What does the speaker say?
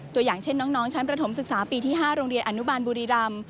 อย่างเช่นน้องชั้นประถมศึกษาปีที่๕โรงเรียนอนุบาลบุรีรำ